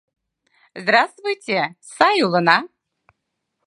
Здравствуйте, сай улына!